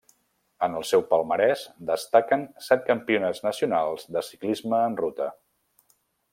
En el seu palmarès destaquen set campionats nacionals de ciclisme en ruta.